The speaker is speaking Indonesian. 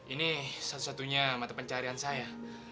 ini satu satunya mata pencarian saya